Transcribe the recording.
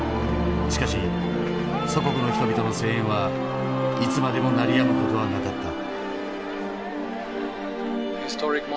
しかし祖国の人々の声援はいつまでも鳴りやむ事はなかった。